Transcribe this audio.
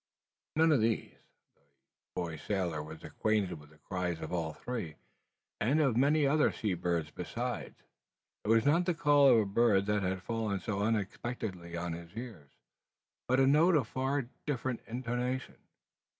None of these. The boy sailor was acquainted with the cries of all three, and of many other sea birds besides. It was not the call of a bird that had fallen so unexpectedly on his ear, but a note of far different intonation.